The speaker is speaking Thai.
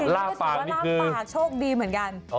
ล่าปากนี่คือล่าปากโชคดีเหมือนกัน